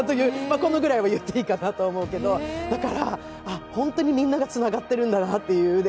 このくらいは言っていいんだと思うけれどもだから、あ、ホントにみんながつながっているんだなっていうね。